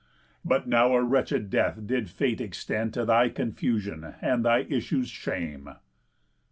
But now a wretched death did Fate extend To thy confusion and thy issue's shame."